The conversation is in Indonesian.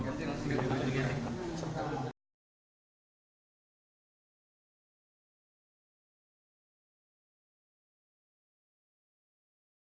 jika anda ingin mengetahui apa yang akan terjadi silakan berlangganan di kolom komentar